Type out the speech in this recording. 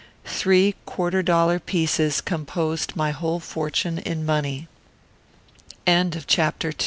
Three quarter dollar pieces composed my whole fortune in money. CHAPTER II